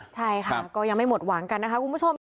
ใช่ค่ะก็ยังไม่หมดหวังกันนะคะคุณผู้ชม